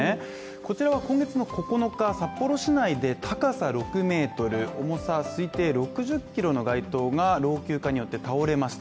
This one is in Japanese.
こちらは今月の９日札幌市内で高さ６ｍ、重さ推定６０ｋｇの街灯が老朽化によって倒れました。